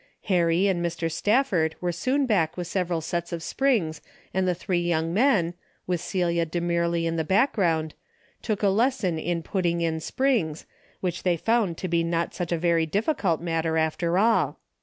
Harry and Mr. Stafford were soon back with several sets of springs and the three young men, with Celia demurely in the background, took a lesson in putting in springs, which they found to be not such a very diffi cult matter after all.